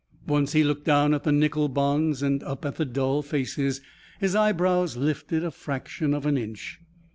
Once he looked down at the nickel bonds and up at the dull faces. His eyebrows lifted a fraction of an inch.